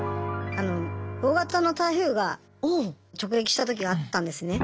大型の台風が直撃した時があったんですね。